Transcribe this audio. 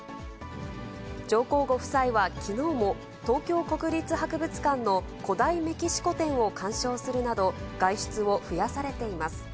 上皇ご夫妻はきのうも、東京国立博物館の古代メキシコ展を鑑賞するなど、外出を増やされています。